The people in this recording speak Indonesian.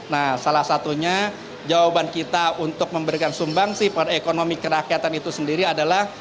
nah salah satunya jawaban kita untuk memberikan sumbangsi pada ekonomi kerakyatan itu sendiri adalah